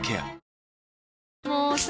もうさ